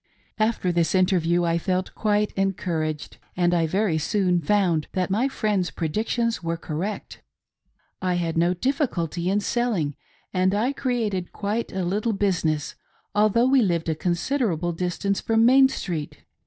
After this interview I felt quite encouraged, and I very soon found that my friend's predictions were correct. I had no difficulty in selling, and I created quite a little business, although we lived a considerable distance from Main Street.